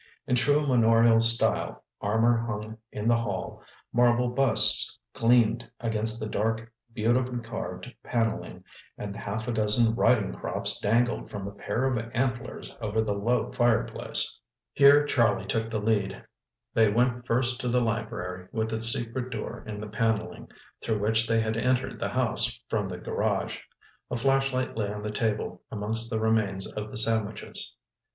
In true manorial style, armor hung in the hall, marble busts gleamed against the dark, beautifully carved panelling, and half a dozen riding crops dangled from a pair of antlers over the low fireplace. Here Charlie took the lead. They went first to the library, with its secret door in the panelling, through which they had entered the house from the garage. A flashlight lay on the table, amongst the remains of the sandwiches.